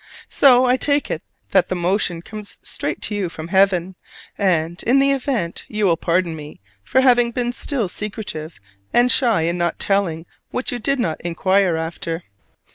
So I take it that the motion comes straight to you from heaven; and, in the event, you will pardon me for having been still secretive and shy in not telling what you did not inquire after.